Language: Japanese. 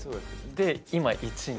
で今１に。